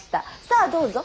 さあどうぞ。